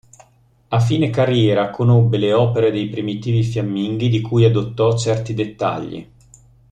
A fine carriera conobbe le opere dei primitivi fiamminghi di cui adottò certi dettagli.